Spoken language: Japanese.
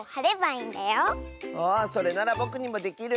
あそれならぼくにもできる！